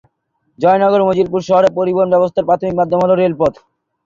জয়নগর মজিলপুর শহরে পরিবহন ব্যবস্থার প্রাথমিক মাধ্যম হল রেলপথ।